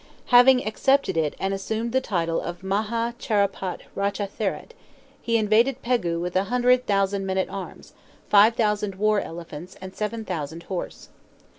Having accepted it and assumed the title of Maha Charapât Racha therat, he invaded Pegu with a hundred thousand men at arms, five thousand war elephants, and seven thousand horse.